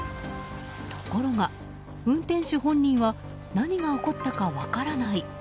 ところが、運転手本人は何が起こったか分からない。